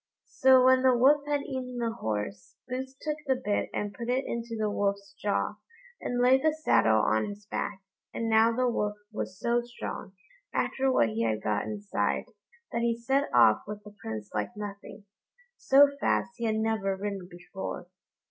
So when the Wolf had eaten the horse, Boots took the bit and put it into the Wolf's jaw, and laid the saddle on his back; and now the Wolf was so strong, after what he had got inside, that he set off with the Prince like nothing. So fast he had never ridden before.